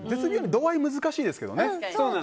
度合いが難しいですけどね。